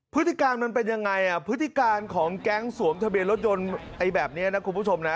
พฤติการมันเป็นยังไงอ่ะพฤติการของแก๊งสวมทะเบียนรถยนต์แบบนี้นะคุณผู้ชมนะ